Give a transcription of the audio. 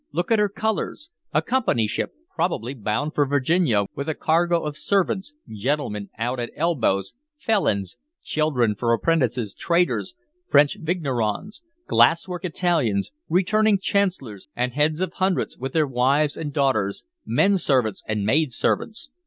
"Look at her colors. A Company ship, probably, bound for Virginia, with a cargo of servants, gentlemen out at elbows, felons, children for apprentices, traders, French vignerons, glasswork Italians, returning Councilors and heads of hundreds, with their wives and daughters, men servants and maid servants.